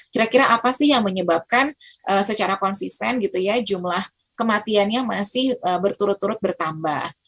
kira kira apa sih yang menyebabkan secara konsisten gitu ya jumlah kematiannya masih berturut turut bertambah